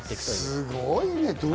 すごいね。